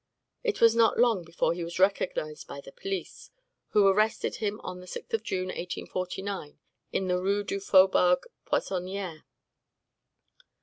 It was not long before he was recognized by the police, who arrested him on the 6th of June, 1849, in the Rue du Faubourg Poissonniere.